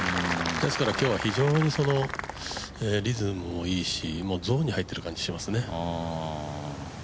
ですから今日は非常にリズムもいいしゾーンに入ってる感じがしますね。